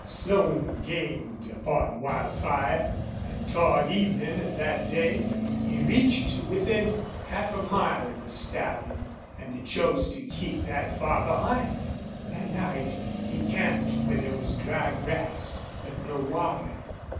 Slone gained upon Wildfire, and toward evening of that day he reached to within half a mile of the stallion. And he chose to keep that far behind. That night he camped where there was dry grass, but no water.